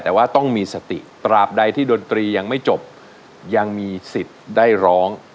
แต่ว่าต้องมีสติตราบใดที่ดนตรียังไม่จบยังมีสิทธิ์ได้ร้อง